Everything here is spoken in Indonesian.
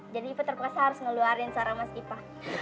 jadi iva terpaksa harus ngeluarin suara mas iva